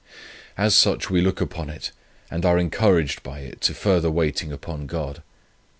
As such we look upon it, and are encouraged by it to further waiting upon God.